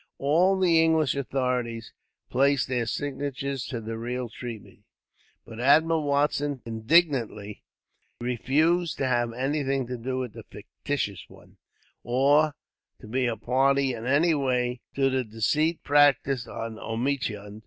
All the English authorities placed their signatures to the real treaty, but Admiral Watson indignantly refused to have anything to do with the fictitious one; or to be a party, in any way, to the deceit practised on Omichund.